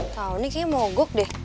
kau ini kisih mogok deh